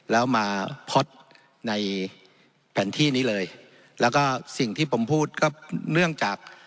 แล้วมาพ็อตในแผนที่นี้เลยแล้วก็สิ่งที่ผมพูดก็เนื่องจาก